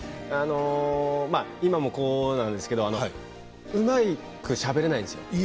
今も、こうなんですけれどうまくしゃべれないんですよ